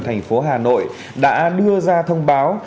thành phố hà nội đã đưa ra thông báo